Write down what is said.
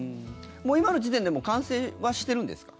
もう今の時点でも完成はしてるんですか？